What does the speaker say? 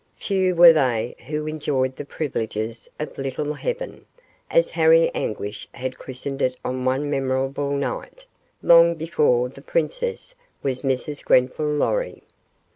Few were they who enjoyed the privileges of "Little Heaven," as Harry Anguish had christened it on one memorable night, long before the princess was Mrs. Grenfall Lorry.